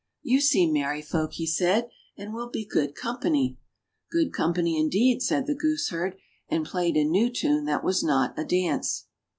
"You seem merry folk," he said, "and will be good com pany." "Good company, indeed," said the gooseherd, and played a new tune that was not a dance.